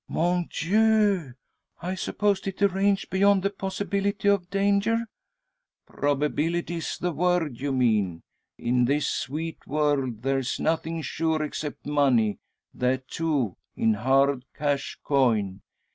"Mon Dieu! I supposed it arranged beyond the possibility of danger." "Probability is the word you mean. In this sweet world there's nothing sure except money that, too, in hard cash coin.